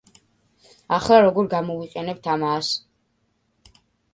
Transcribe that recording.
ახლა როგორ გამოვიყენებთ ამას.